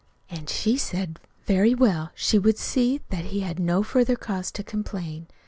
An' she said, very well, she would see that he had no further cause to complain.